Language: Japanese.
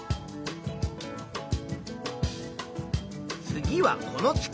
次はこの月。